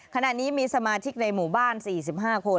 ขณะนี้มีสมาชิกในหมู่บ้าน๔๕คน